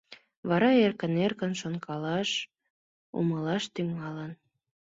Вара эркын-эркын шонкалаш, умылаш тӱҥалын.